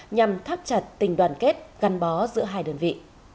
nhằm thắt chặt tình đoàn kết gắn bó giữa hai đơn vị